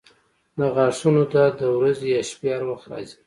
د غاښونو درد د ورځې یا شپې هر وخت راځي.